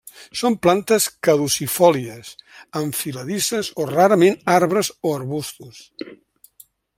Són plantes caducifòlies, enfiladisses o rarament arbres o arbusts.